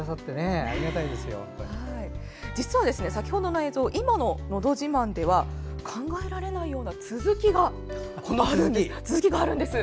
実は先程の映像今の「のど自慢」では考えられないような続きがあるんです。